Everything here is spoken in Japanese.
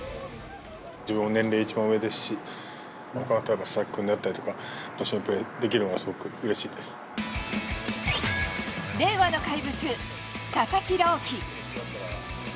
自分も年齢、一番上ですし、例えば佐々木君であったりとかと一緒にプレーできるのが、すごく令和の怪物、佐々木朗希。